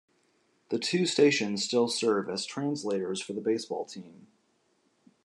The two stations still serve as translators for the baseball team.